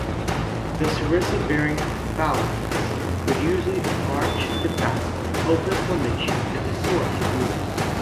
The sarissa-bearing phalanx would usually march to battle in open formation to facilitate movement.